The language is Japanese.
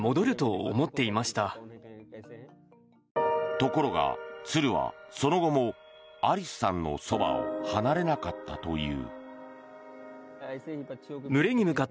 ところが、鶴はその後もアリフさんのそばを離れなかったという。